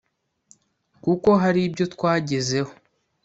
kuko hari ibyo twagezeho